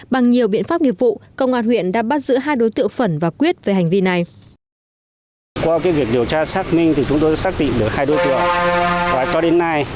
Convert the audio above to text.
bằng nhiều biện pháp nghiệp vụ công an huyện đã bắt giữ hai đối tượng phẩn và quyết về hành vi này